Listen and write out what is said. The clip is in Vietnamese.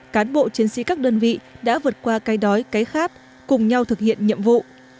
cán bộ chiến sĩ các đơn vị đã vượt qua cái đói cái khát cùng nhau thực hiện nhiệm vụ